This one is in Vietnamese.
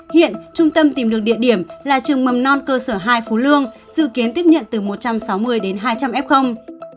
hiện trung tâm tìm được địa điểm là trường mầm non cơ sở hai phú lương dự kiến tiếp nhận từ một trăm sáu mươi đến hai trăm linh f